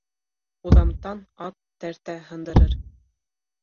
Уҙамтан ат тәртә һындырыр.